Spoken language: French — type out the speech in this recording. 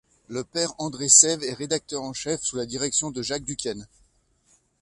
Le père André Sève est rédacteur en chef, sous la direction de Jacques Duquesne.